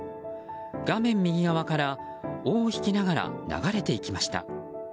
画面右側から尾を引きながら流れていきました。